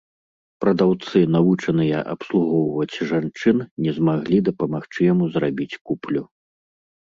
Прадаўцы, навучаныя абслугоўваць жанчын, не змаглі дапамагчы яму зрабіць куплю.